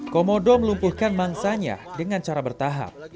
komodo melumpuhkan mangsanya dengan cara bertahap